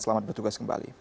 selamat bertugas kembali